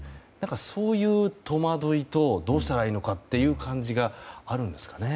そういう戸惑いとどうしたらいいのかという感じがあるんですかね。